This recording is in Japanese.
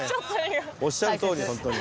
おっしゃるとおり本当に。